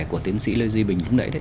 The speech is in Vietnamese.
của tiến sĩ lê duy bình lúc nãy